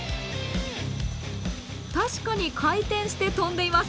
確かに回転して飛んでいます。